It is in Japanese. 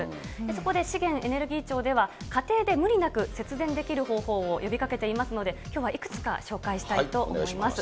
そこで資源エネルギー庁では、家庭で無理なく節電できる方法を呼びかけていますので、きょうはいくつか紹介したいと思います。